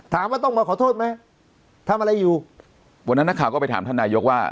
ถามว่าต้องมาขอโทษไหมทำอะไรอยู่วันนั้นนักข่าวก็ไปถามท่านนายกว่า